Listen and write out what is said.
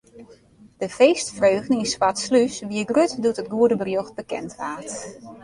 De feestfreugde yn Swartslús wie grut doe't it goede berjocht bekend waard.